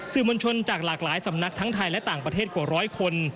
มวลชนจากหลากหลายสำนักทั้งไทยและต่างประเทศกว่าร้อยคน